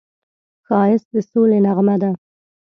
ښایست د سولې نغمه ده